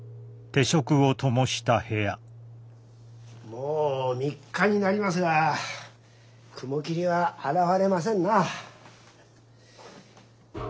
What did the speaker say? もう３日になりますが雲霧は現れませんな。